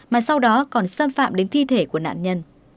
mà sau đó còn xâm phạm đến thi thể của nạn nhân